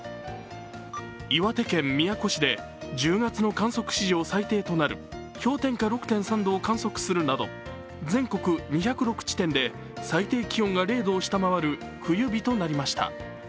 岩手県宮古市で１０月の観測史上最低となる氷点下６．３度を観測するなど全国２０６地点で最低気温が０度を下回る冬日となりました。